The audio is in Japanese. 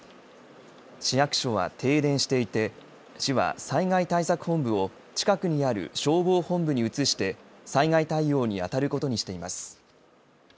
市役所は停電していて市は災害対策本部を近くにある消防本部に移して災害対応に当たることにしています。